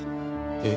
えっ？